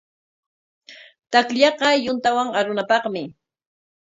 Takllaqa yuntawan arunapaqmi.